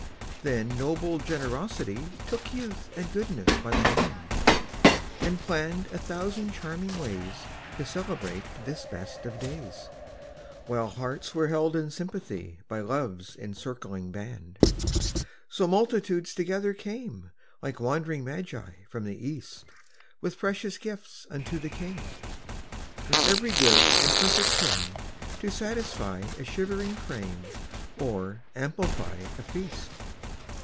Then noble generosity Took youth and goodness by the hand, And planned a thousand charming ways To celebrate this best of days, While hearts were held in sympathy By love's encircling band. So multitudes together came, Like wandering magi from the East With precious gifts unto the King, With every good and perfect thing To satisfy a shivering frame Or amplify a feast.